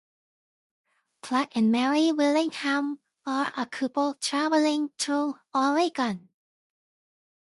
Clark and Mary Willingham are a couple traveling through Oregon.